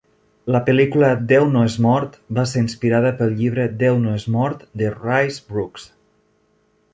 La pel·lícula "Déu no és mort" va ser inspirada pel llibre "Déu no és mort" de Rice Broocks.